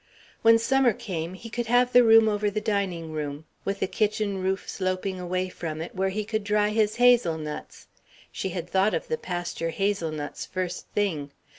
When Summer came he could have the room over the dining room, with the kitchen roof sloping away from it where he could dry his hazelnuts she had thought of the pasture hazelnuts, first thing.